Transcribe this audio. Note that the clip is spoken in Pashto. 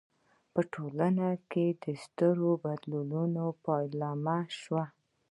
په ټولنه کې د سترو بدلونونو پیلامه شوه.